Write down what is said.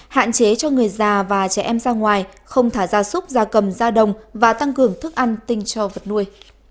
hạn chế cho người già và trẻ em ra ngoài không thả da súc da cầm da đồng và tăng cường thức ăn tinh cho vật nuôi